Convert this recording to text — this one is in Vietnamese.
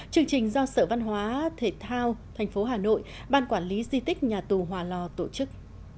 chương trình do sở văn hóa thể thao tp hà nội ban quản lý di tích nhà tù hòa lò tổ chức